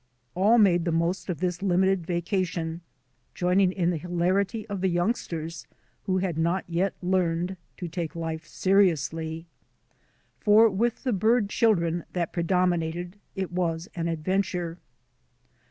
All made the most of this limited vacation, join ing in the hilarity of the youngsters who had not yet learned to take life seriously. For with the bird children that predominated it was an adventure.